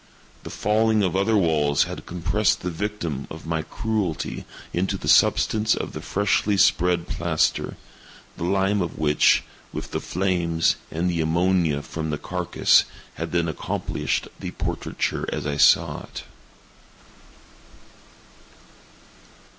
The falling of other walls had compressed the victim of my cruelty into the substance of the freshly spread plaster; the lime of which, with the flames, and the ammonia from the carcass, had then accomplished the portraiture as I saw it.